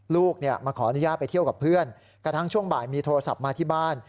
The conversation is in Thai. ลูกมาขออนุญาตไปเที่ยวกับเพื่อนกระทั่งช่วงบ่ายมีโทรศัพท์มาที่บ้าน